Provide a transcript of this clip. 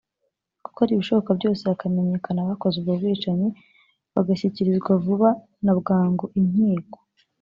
gukora ibishoboka byose hakamenyekana abakoze ubwo bwicanyi bagashyikirizwa vuba na bwangu inkiko